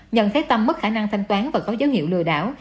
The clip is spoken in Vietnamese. nhận xét tâm mất khả năng thanh toán và có dấu hiệu lừa đảo